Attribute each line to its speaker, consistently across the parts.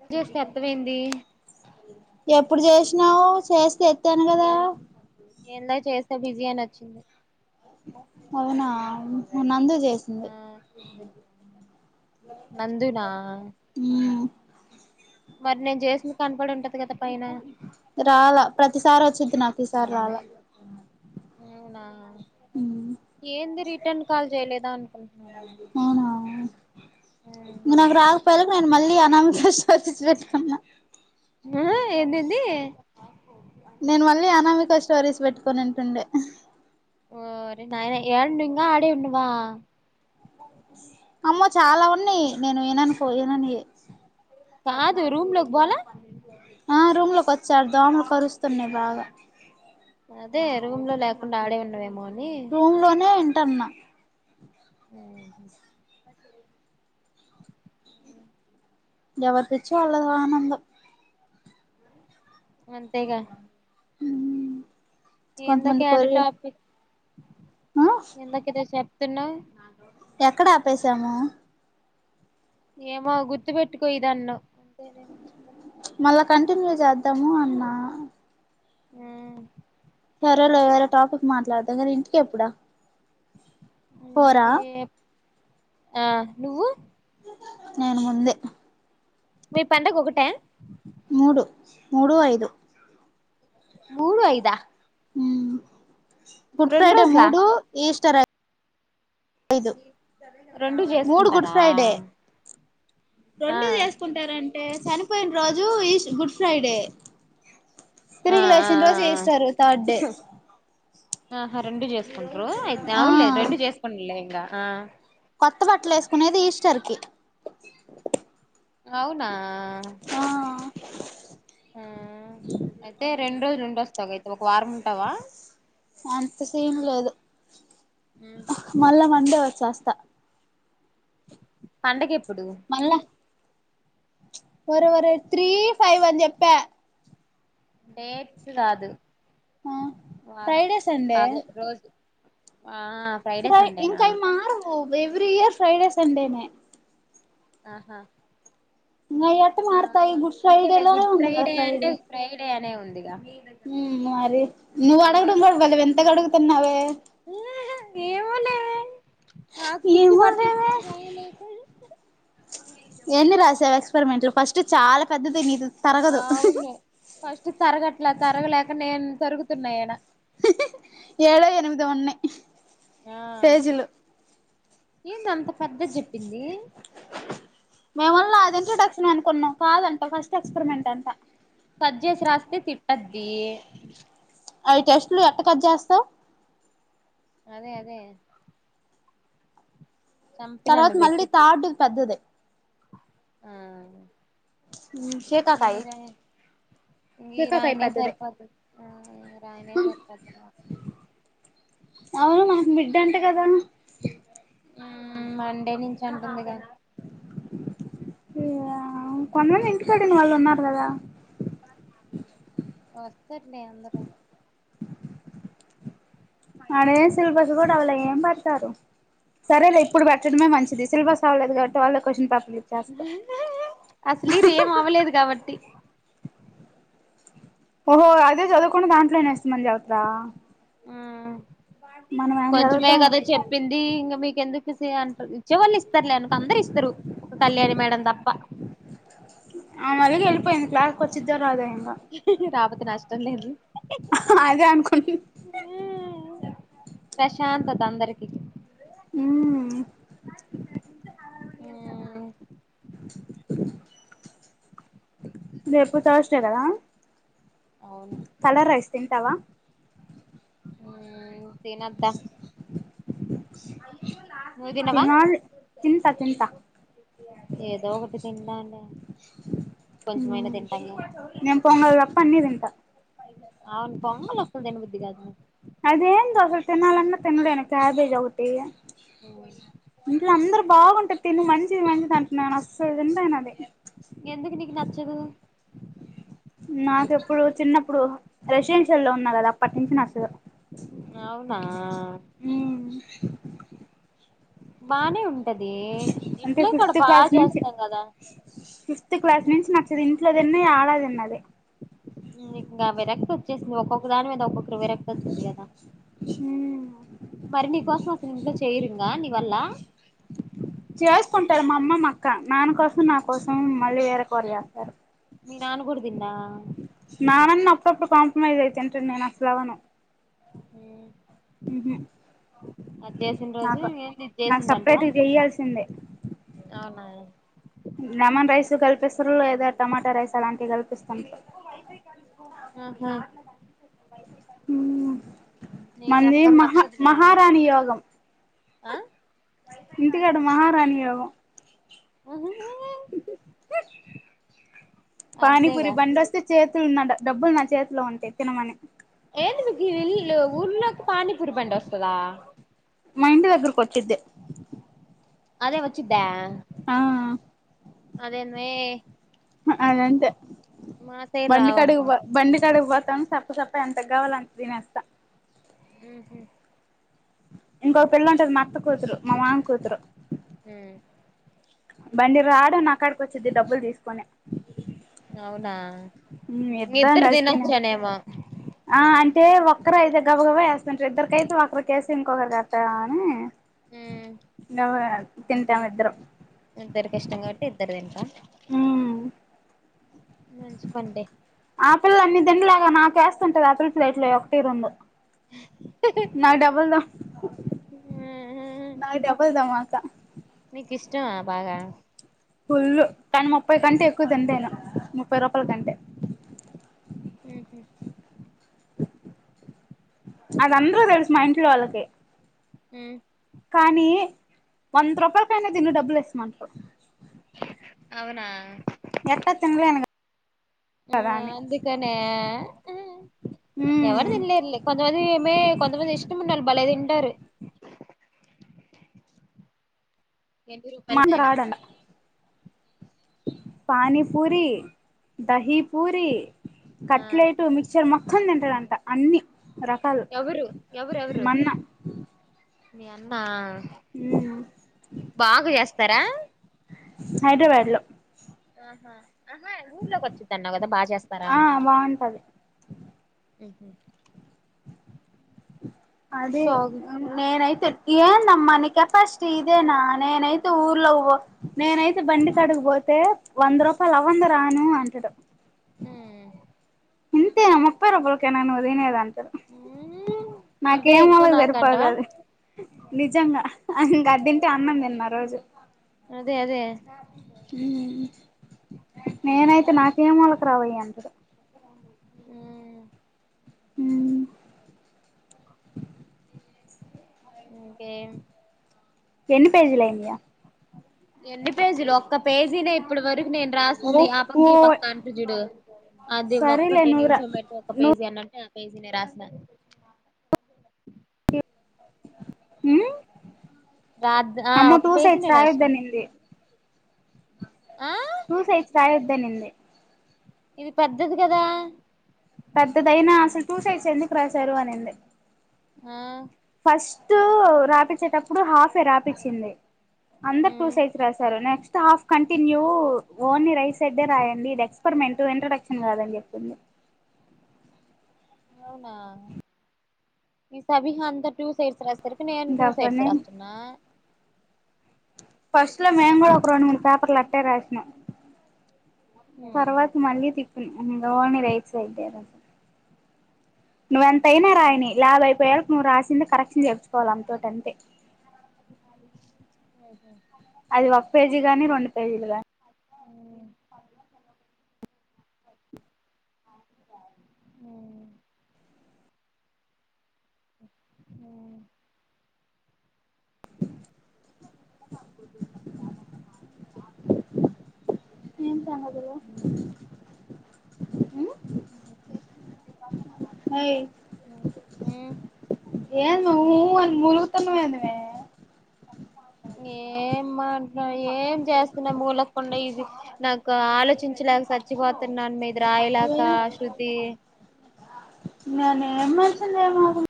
Speaker 1: నేన్ చేస్తే ఎత్తవేంది
Speaker 2: ఎప్పుడు చేసినావో చేస్తే ఎత్
Speaker 1: ఏం నేన్ ఇందాక చేస్తే బిజీ అని వచ్చింది
Speaker 2: అవునా నందు చేసింది
Speaker 1: నందు నా
Speaker 2: ఉమ్
Speaker 1: మరి నేను చేసింది కనపడి ఉంటది కదా పైన
Speaker 2: రాలా ప్రతిసారి వచ్చిద్ది నాకిసారి రాలా
Speaker 1: హ్మ్మ్ అవునా
Speaker 2: ఉమ్
Speaker 1: ఏంది రిటర్న్ కాల్ చేయలేదా అనుకుంటున్నా నే
Speaker 2: ఇం నాకు రాకపోయాలకు నేను మళ్ళీ అనామిక స్టోరీస్ పెట్టుకున్న
Speaker 1: ఆ ఏందేంది
Speaker 2: నేను మళ్ళీ అనామిక స్టోరీస్ పెట్టుకొని వింటుండే
Speaker 1: ఓరి నాయనా ఏడున్నావ్ ఇంకా ఆడే ఉన్నవా
Speaker 2: అమ్మో చాలా ఉన్నాయి నేను విననవి
Speaker 1: కాదు రూమ్ లోకి పోలా
Speaker 2: ఆ రూమ్ లోకి వచ్చారు దోమలు కరుస్తున్నాయి బాగా
Speaker 1: అదే రూమ్ లో లేకుండా ఆడే ఉండవేమో అని
Speaker 2: రూమ్ లోనే వింటన్న
Speaker 1: ఉమ్
Speaker 2: ఎవరి పిచ్చి వాళ్ళకి ఆనందం
Speaker 1: అంతేగా
Speaker 2: ఉమ్
Speaker 1: ఇందాక
Speaker 2: కొంతమంది
Speaker 1: ఏది
Speaker 2: కొరియన్
Speaker 1: టాపిక్
Speaker 2: ఆ
Speaker 1: ఇందాక ఏదో చెప్తున్నావు
Speaker 2: ఎక్కడ ఆపేశాము
Speaker 1: ఏమో గుర్తు పెట్టుకో ఇది అన్నా
Speaker 2: మళ్ళా కంటిన్యూ చేద్దాము అన్నా
Speaker 1: హ్మ్మ్
Speaker 2: సరేలే వేరే టాపిక్ మాట్లాడతా కానీ ఇంటికెప్పుడు
Speaker 1: ఇంటికే ఆ నువ్వు
Speaker 2: నేను ముందే
Speaker 1: మీ పండగ ఒకట
Speaker 2: మూడు మూడు ఐదు
Speaker 1: మూడు ఐదా
Speaker 2: గుడ్
Speaker 1: రెండు
Speaker 2: ఫ్రైడే
Speaker 1: రోజులా
Speaker 2: మూడు ఈస్టర్ ఐ
Speaker 1: రెండూ చేసుకుంటారా ఆ
Speaker 2: రెండు చేసుకుంటారా చనిపోయిన రోజు ఈస్ గుడ్ ఫ్రైడే
Speaker 1: ఆ ఆ
Speaker 2: తిరిగి
Speaker 1: ఆ
Speaker 2: లేసిన రోజు ఈస్టరు థర్డ్ డే
Speaker 1: ఆహా రెండు చేస్కుంటూరు అయితే
Speaker 2: ఆ
Speaker 1: అవునులే రెండు చేస్కోన్లే ఇంకా ఆ
Speaker 2: కొత్త బట్టలు వేసుకునేది ఈస్టర్ కి
Speaker 1: అవునా...
Speaker 2: ఆ
Speaker 1: ఆ అవ్వా
Speaker 2: అంత సీన్ లేదు మళ్ళా మండే వచ్చేస్తా
Speaker 1: పండగేప్పుడు
Speaker 2: ఒరే ఒరే త్రీ ఫైవ్ అని చెప్పా
Speaker 1: డేట్స్ కాదు
Speaker 2: ఆ
Speaker 1: వారం
Speaker 2: ఫ్రైడే సండే
Speaker 1: అదే రోజు ఆ ఫ్రైడే
Speaker 2: ఫ్రై
Speaker 1: సండేనా
Speaker 2: ఇంకా అయి మారావు ఎవ్రీ ఇయర్ ఫ్రైడే సండేనే
Speaker 1: ఆ హా
Speaker 2: అయి ఎట్టా మారతాయ్ గుడ్ ఫ్రైడే లోనే ఉంది కదా ఫ్రైడే
Speaker 1: అట్నే ఉందిగా
Speaker 2: ఊ మరి నువ్వు అడగడం గూడా బలే వింతగా అడుగుతున్నావే
Speaker 1: ఊ హు ఏమో లేవే నాకు పిచ్చి పడుతుంది
Speaker 2: ఏమోలేవే
Speaker 1: వేయలేకనే
Speaker 2: ఎన్ని రాసావు ఎక్స్పెరిమెంట్లు ఫస్ట్ చాలా పెద్దది నీదు
Speaker 1: అవును ఫస్ట్ తరగట్లా తరగలేక నేను తరుగుతున్నాయనా
Speaker 2: ఏడో ఎనిమిదో ఉన్నాయి
Speaker 1: ఆ..
Speaker 2: పేజీలు
Speaker 1: ఏంది అంత పెద్దది చెప్పింది
Speaker 2: మేము అల్ల అది ఇంట్రొడక్షన్ అనుకున్నాం కాదంట ఫస్ట్ ఎక్స్పెరిమెంట్ అంటా
Speaker 1: కట్ చేసి రాస్తే తిట్టద్ది
Speaker 2: అవి టెస్ట్లు ఎట్ట కట్ చేస్తావ్
Speaker 1: అదే అదే చంపి
Speaker 2: తర్వాత మళ్ళీ థర్డ్ ది పెద్దది
Speaker 1: మ్
Speaker 2: మ్ శికాకాయ్
Speaker 1: ఈ రాయినే సరిపోతది ఆ రాయినే సరిపోతది
Speaker 2: అవును మనకు మిడ్ అంట కదా
Speaker 1: మ్ మండే నుంచి అంటుంది కదా
Speaker 2: కొంతమంది ఇంటికెళ్ళినా ఇగా వాళ్ళు ఉన్నారు కదా
Speaker 1: వస్తారు లే అందరూ
Speaker 2: అదే సిలబస్ కూడా అవలే ఏం పెడతారు సరేలే ఇప్పుడు పెట్టడమే మంచిది సిలబస్ అవ్వలేదు కాబట్టి వాళ్లే క్వశ్చన్ పేపర్
Speaker 1: అసలు ఈడ ఏం అవలేదు కాబట్టి
Speaker 2: ఓహో అదే చదువుకొని దాంట్లోనే [unintelligible] చెప్తావా
Speaker 1: ఉమ్ కొంచమే
Speaker 2: చదువుతాం
Speaker 1: కదా చెప్పింది ఇంక మీకెందుకు తీ అంటది ఇచ్చేవాళ్ళు ఇస్తారులే అందరు ఇస్తారు కళ్యాణి మేడం తప్ప
Speaker 2: పోయింది క్లాస్ కి వచ్చిద్దో రాదే
Speaker 1: రాకపోతే నష్టం లేదు
Speaker 2: అదే అనుకుంటున్న
Speaker 1: ప్రశాంతత అందరికి
Speaker 2: మ్..
Speaker 1: ఉమ్
Speaker 2: ఆ రేపు త్రస్డే కదా
Speaker 1: అవును
Speaker 2: కలర్ రైస్ తింటావా
Speaker 1: ఉమ్ తినద్దా నువ్వు తినవా
Speaker 2: తినాలి తింటా తింట
Speaker 1: ఏదో ఒకటి తిందాం లే
Speaker 2: నేను పొంగల్ తప్ప అన్ని తింటా
Speaker 1: అవును పొంగల్ అసలు తిన బుద్దిగాదు
Speaker 2: అది ఏందో అసలు తిన్నాలి అన్న తిన్నలేను క్యాబేజ్ ఒకటి ఇంట్లో అందరు బాగుంటది తిను మంచిది మంచిది అంటున్నాను అస్సలు తిన్నలేను అది
Speaker 1: ఎందుకు నీకు నచ్చదు
Speaker 2: ఇప్పుడు రెసిడెన్షియల్ లో ఉన్నా కదా అప్పటి నుంచి నచ్చదు
Speaker 1: అవునా
Speaker 2: మ్మ్
Speaker 1: బానే ఉంటది
Speaker 2: అంటే
Speaker 1: ఇంట్లో కూడా
Speaker 2: ఫిఫ్త్
Speaker 1: బాగా
Speaker 2: క్లాస్ నుంచి
Speaker 1: చేస్తాం కదా
Speaker 2: ఫిఫ్త్ క్లాస్ నుంచి నచ్చదు ఇంట్లోతిన్ననీ ఆడదిన్నదది
Speaker 1: ఇంకా విరక్తి వచ్చేసిం ఒక్కొక్క దాని మీద ఒక్కొక్క విరక్తి వచ్చింది కదా
Speaker 2: మ్మ్
Speaker 1: మరి నీ కోసం అసలు ఇంట్లో చేయరు దానివల్ల
Speaker 2: చేసుకుంటారు మా అమ్మ అక్క నాన్న కోసం నా కోసం మళ్ళీ వేరే కూర చేస్తారు
Speaker 1: మీ నాన్న కూడ తన్నాడా
Speaker 2: ప్పుడు కాంప్రైజ్ అయి తింటాడు నేను అసల అవ్వను
Speaker 1: హ్మ్
Speaker 2: ఉహు
Speaker 1: అది చేసిన రోజు ఏంది ఇది చేసిందంటవ
Speaker 2: సపరేట్గా చెయ్యాల్సిందే
Speaker 1: అవునా
Speaker 2: లెమన్ రైస్ కల్పిస్తారు లేదా టమాటా రైస్ అలాంటివి కల్పిస్తా
Speaker 1: ఆహా
Speaker 2: ఉహూ
Speaker 1: నీకు
Speaker 2: మన్ది
Speaker 1: అస్సలు
Speaker 2: మహా
Speaker 1: నచ్చదులే
Speaker 2: మహారాణి యోగం
Speaker 1: ఆ
Speaker 2: ఇంటికాడ మహారాణి యోగం పానీపూరి
Speaker 1: అంతేగా
Speaker 2: బండి వస్తే చేతులు నా డబ్బులు నా చేతిలో ఉంటే తినమని
Speaker 1: ఏంది మీకు ఇల్లు ఊర్లోకి పానీ పూరి బండి వస్తదా
Speaker 2: మా ఇంటి దగ్గర వచ్చిది
Speaker 1: అదే వచ్చిద్దా అదేంది మీ
Speaker 2: అదంతే బండి కాడికి
Speaker 1: రావమ్మా
Speaker 2: పో బండి కాడికి పోతాం సప్ప సప్ప ఎంతకు కావాలో అంత తినేస్తా
Speaker 1: ఉహు
Speaker 2: ఇంకొక పిల్ల ఉంటది మా అత్త కూతురు మా మామ కూతురు
Speaker 1: హ్మ్
Speaker 2: బండి రాడం నాక్కడికి వచ్చద్ది డబ్బులు తీసుకొని
Speaker 1: అవునా
Speaker 2: ఉమ్ ఇద్దరం
Speaker 1: ఇద్దరు
Speaker 2: కలిసిన తిన్నేస్తాం
Speaker 1: తినొచ్చానేమో
Speaker 2: ఆ అంటే టె ఒక్కరు అయితే గబ గబ ఏస్తుంటరు ఇద్దరికయితే ఒకరికేసి ఇంకొకరికి అట్టా అని
Speaker 1: ఉమ్
Speaker 2: ఆ తింటామిద్దరం
Speaker 1: ఇద్దరిఇష్టం కాబట్టి ఇద్దరు తింటారా
Speaker 2: ఉమ్ ఆ పిల్ల అన్ని తినలేక నాక ఏస్తుంటది ఆ పిల్ల ప్లేట్లు ఒకటి రెండు మరి డబల్ ద
Speaker 1: ఉహు
Speaker 2: నాకు డబుల్ ధమాకా
Speaker 1: నీక్ ఇష్టమ బాగా
Speaker 2: ఫుల్ కానీ ముప్పై కంటే ఎక్కువ తినలేను ముప్పై రూపాయల కంటే
Speaker 1: హ్మ్
Speaker 2: అదందరూ తెలుసు మా ఇంట్లో వాళ్ళకి
Speaker 1: హ్మ్
Speaker 2: కానీ వంద రూపాయలకైనా తిను డబ్బులు ఇస్తామంటారు
Speaker 1: అవునా ఆ
Speaker 2: ఎట్టా తినలేను కదా అని
Speaker 1: అందుకనేే ఎవరు
Speaker 2: ఉమ్
Speaker 1: తినలేరులే కొంతమంది ఏమే కొంతమంది ఇష్టమ ఉన్నోళ్లు భలే తింటారు ఎన్ని రూపాయలకైనా
Speaker 2: పానీ పూరి దహీ పూరి
Speaker 1: ఆ
Speaker 2: కట్లెట్ మిక్చర్ మొత్తం తింటడంట అన్ని రకాలు
Speaker 1: ఎవరు ఎవరెవరు
Speaker 2: మా అన్న
Speaker 1: మీ అన్నా బాగ చేస్తారా
Speaker 2: హైదరాబాద్ లో
Speaker 1: ఆహా ఆహా ఊర్లోకి వచ్చిద్దన్నావు కదా బాగా చేస్తారా
Speaker 2: ఆ
Speaker 1: అంట
Speaker 2: బాగుంటది
Speaker 1: ఉ
Speaker 2: అదే
Speaker 1: బాగు
Speaker 2: నేనయితే ఏందమ్మ నీ కెపాసిటీ ఇదేనా నేనైతే ఊర్లో నేనైతే బండి కాడికి పోతే వంద రూపాయలు అవ్వందే రాను అంటడు ఇంతే న ముప్పై రూపాయల కేనా నువ్వు తినేది అంటాడు
Speaker 1: ఇదే ఎక్కువ
Speaker 2: నాకేమూలకి సరిపోదు
Speaker 1: నాకంటవా
Speaker 2: అది నిజంగా హ్ ఇంక అది తింటే అన్నం తినను ఆ రోజు
Speaker 1: అదే అదే
Speaker 2: నేనైతే నాకే మూలకు రావయి అంటడు అ
Speaker 1: ఇంకేం
Speaker 2: ఎన్ని పేజీలయినయి
Speaker 1: ఎన్ని పేజీలు ఒక్క పేజీ నే ఇప్పటి వరకు నేను రాసింది ఆ పక్క
Speaker 2: ఓ
Speaker 1: ఈ పక్కా అంటుజుడు అది
Speaker 2: సరేలే
Speaker 1: ఒక్కటే
Speaker 2: నువ్వు రా
Speaker 1: నిల్చంబట్టు ఒక
Speaker 2: నువ్వు
Speaker 1: పేజీ అన్నట్టు పేజీనే రాసిన
Speaker 2: అ
Speaker 1: రా ఆ
Speaker 2: అమ్మ
Speaker 1: ఒక
Speaker 2: టు సైడ్స్
Speaker 1: పేజీనే రాసిన
Speaker 2: రాయద్దనింది
Speaker 1: ఆ
Speaker 2: టూ సైడ్స్ రాయద్దనింది
Speaker 1: ఇది పెద్దది కదా
Speaker 2: పెద్దదయినా అసలు టూ సైడ్స్ ఏందుకు రాసారు అనింది
Speaker 1: ఆ
Speaker 2: ఫస్ట్ రాపిచ్చేటప్పుడు హాఫె రాపిచ్చింది అందరు టూ సైడ్స్ రాశారు next half continue only right side దే రాయండి ఇది ఎక్స్పరిమెంట్ ఇంట్రడక్షన్ కాదని చెప్పింది
Speaker 1: అవునా ఈ సభిహా అంత టూ సైడ్స్ రాసేసరికి నేను
Speaker 2: ఇంకా
Speaker 1: టూ
Speaker 2: అప్పటి
Speaker 1: సైడ్స్
Speaker 2: నుంచి
Speaker 1: రాస్తున్నా
Speaker 2: ఫస్ట్ లొ మేము కూడ ఒక రెండు మూడు పేపర్లు అట్టే రాసినం తర్వాత మళ్ళీ తిప్పిన ఓన్లీ రైట్ సైడే రాసిన నువ్వెంత అయినా రాయిని ల్యాభైయిపోయేవరకు నువ్ రాసి కింద కరెక్షన్ చేర్చుకోవాలి ఆమె తోటి అంతే
Speaker 1: ఉహ
Speaker 2: అది ఒక పేజీ గాని రెండు పేజీలు గానీ
Speaker 1: అ అ ఇష్ట కొతు [unintelligible]
Speaker 2: ఏం సంగతులు మేయి ఏంది మే ఉ ఉ అని మూలుగుతునవు ఏంది మే
Speaker 1: ఏం మాట్ల ఏం చేస్తున్నా మూలగకుండా ఇది నాకు ఆలోచించలే [unintelligible] సచ్చిపోతున్న మీదిరాయలకా శృతి
Speaker 2: నేనేం మెన్షన్ [unintelligible]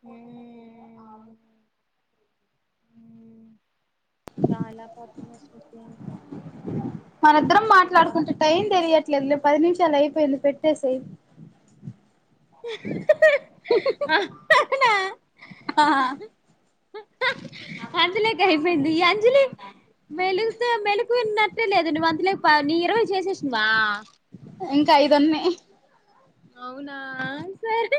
Speaker 1: హ్మ్ హ్మ్ రయాలా పోతున్న శృతి
Speaker 2: మన ఇద్దరం మాట్లాడుకుంటే టైం తెలియట్లేదు లే పది నిమిషాలు అయిపోయింది పెట్టేసేయ్
Speaker 1: అవునా
Speaker 2: ఆ
Speaker 1: అంజిలి అయిపోయింది ఈ అంజలి మెలుతో మెలకువ ఉన్నటే లేదు నువ్వు అంతలే పనీరు చేసేసినవా
Speaker 2: ఇంకా ఐదు ఉన్నాయ్
Speaker 1: అవునా సరే